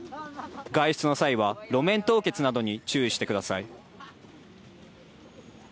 外出の際は路面凍結などに注意してください。